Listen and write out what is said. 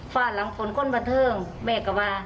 ฝั่งลำฝนก้นมะเทิงเมควา